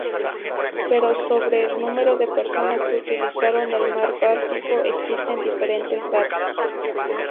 Pero sobre el número de personas que utilizaron el mar Báltico, existen diferentes datos.